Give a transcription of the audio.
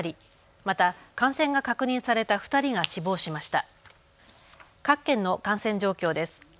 また感染が確認された２人が死亡しました。